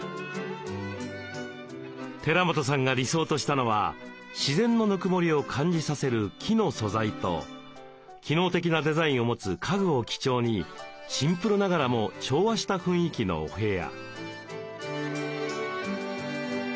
寺本さんが理想としたのは自然のぬくもりを感じさせる木の素材と機能的なデザインを持つ家具を基調にシンプルながらも調和した雰囲気のお部屋。